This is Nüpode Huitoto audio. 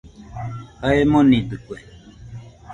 Jae monidɨkue